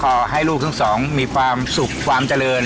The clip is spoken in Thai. ขอให้ลูกทั้งสองมีความสุขความเจริญ